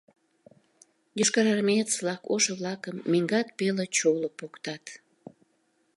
Йошкарармеец-влак ошо-влакым меҥгат пеле чоло поктат.